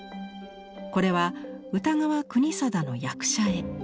これは歌川国貞の役者絵。